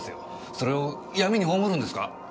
それを闇に葬るんですか？